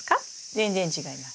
全然違います。